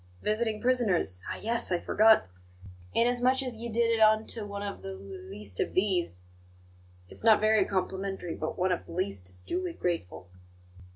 Visiting prisoners ah, yes! I forgot. 'Inasmuch as ye did it unto one of the l least of these' it's not very complimentary, but one of the least is duly grateful."